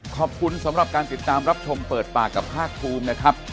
ขอบคุณสำหรับการติดตามรับชมเปิดปากกับภาคภูมินะครับ